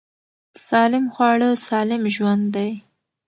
سالم خواړه سالم ژوند دی.